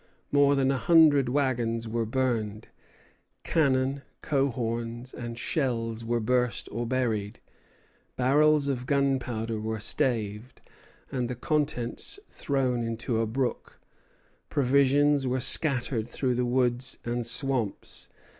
More than a hundred wagons were burned; cannon, coehorns, and shells were burst or buried; barrels of gunpowder were staved, and the contents thrown into a brook; provisions were scattered through the woods and swamps.